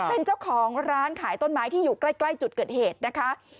เป็นเจ้าของร้านขายต้นไม้ที่อยู่ใกล้จุดเกิดเหตุนะคะ